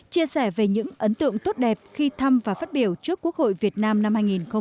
chia sẻ về những ấn tượng tốt đẹp khi thăm và phát biểu trước quốc hội việt nam năm hai nghìn hai mươi